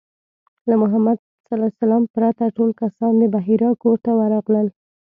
له محمد پرته ټول کسان د بحیرا کور ته ورغلل.